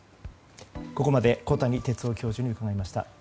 ここまで小谷哲男教授に伺いました。